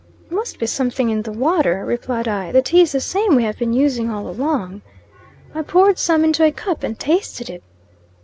"It must be something in the water," replied I. "The tea is the same we have been using all along." I poured some into a cup and tasted it.